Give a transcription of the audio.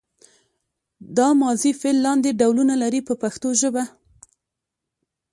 دا ماضي فعل لاندې ډولونه لري په پښتو ژبه.